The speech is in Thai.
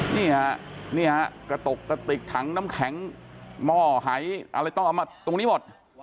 นี่ฮะนี่ฮะกระตกกระติกถังน้ำแข็งหม้อหายอะไรต้องเอามาตรงนี้หมด